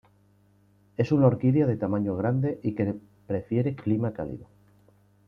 Es una orquídea de tamaño grande y que prefiere clima cálido.